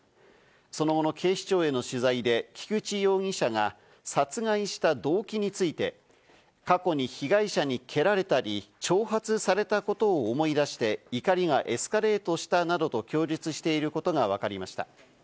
その後の警視庁への取材で菊池容疑者が殺害した動機について、過去に被害者に蹴られたり、挑発されたことを思い出して、怒りがエスカレートしたなどと供述していることがわかりました。